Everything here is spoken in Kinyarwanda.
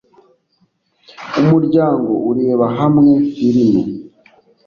Umuryango ureba hamwe film.